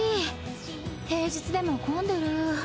平日でも混んでる。